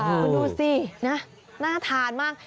คุณดูสินะน่าทานมาก